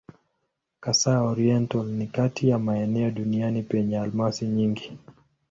Kasai-Oriental ni kati ya maeneo duniani penye almasi nyingi.